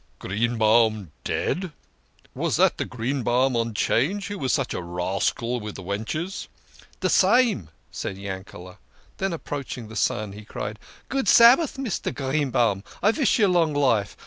" Greenbaum dead ! Was that the Greenbaum on 'Change, who was such a rascal with the wenches?" " De same," said Yankete. Then approaching the son, he cried, " Good Sabbath, Mr. Greenbaum ; I vish you long life.